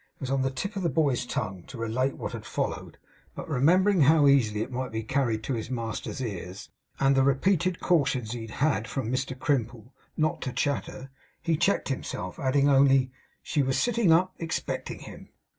It was on the tip of the boy's tongue to relate what had followed; but remembering how easily it might be carried to his master's ears, and the repeated cautions he had had from Mr Crimple 'not to chatter,' he checked himself; adding, only, 'She was sitting up, expecting him.